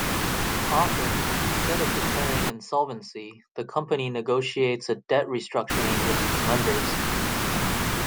Often, instead of declaring insolvency, the company negotiates a debt restructuring with its lenders.